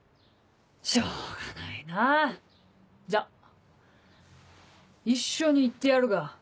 しょうがないなぁ。じゃあ一緒に行ってやるか。